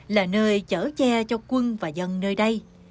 là nơi chở che cho quân và dân nơi đây